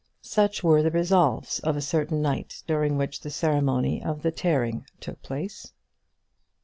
Such were the resolves of a certain night, during which the ceremony of the tearing took place.